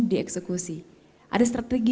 dieksekusi ada strategi